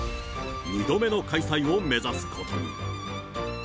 ２度目の開催を目指すことに。